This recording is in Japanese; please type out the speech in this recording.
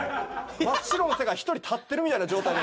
真っ白な世界に１人立ってるみたいな状態に。